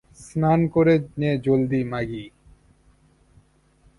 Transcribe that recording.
স্নান করে নে জলদি, মাগী।